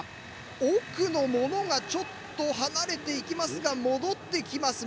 奥のものがちょっと離れていきますが戻ってきます